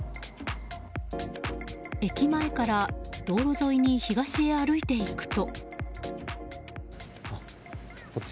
駅前から道路沿いに東へ歩いていくと。